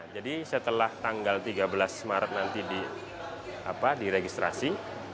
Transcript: jadi setelah tanggal tiga belas maret nanti diregistrasi